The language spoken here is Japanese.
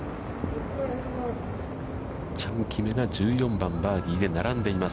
チャン・キムが１４番バーディーで並んでいます。